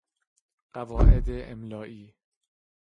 قواعد املائی